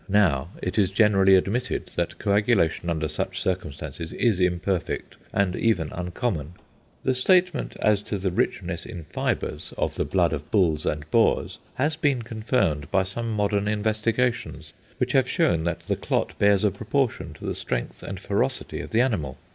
Now, it is generally admitted that coagulation under such circumstances is imperfect and even uncommon. The statement as to the richness in fibres of the blood of bulls and boars has been confirmed by some modern investigations, which have shown that the clot bears a proportion to the strength and ferocity of the animal.